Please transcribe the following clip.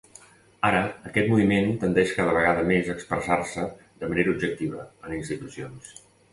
Ara, aquest moviment tendeix cada vegada més a expressar-se de manera objectiva, en institucions.